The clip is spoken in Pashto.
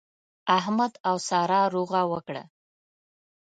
احمد او سارا روغه وکړه.